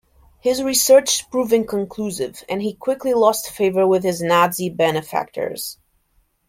His research proved inconclusive and he quickly lost favour with his Nazi benefactors.